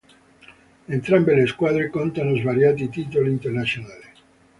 Entrambe le squadre contano svariati titoli internazionali.